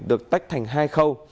được tách thành hai khâu